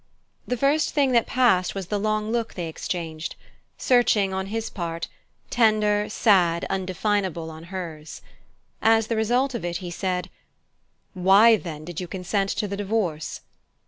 The first thing that passed was the long look they exchanged: searching on his part, tender, sad, undefinable on hers. As the result of it he said: "Why, then, did you consent to the divorce?"